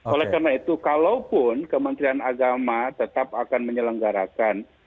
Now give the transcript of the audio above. oleh karena itu kalaupun kementerian agama tetap akan menyelenggarakan